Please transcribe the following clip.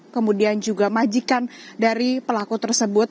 kemudian juga majikan dari pelaku tersebut